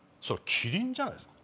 キリンじゃないですね。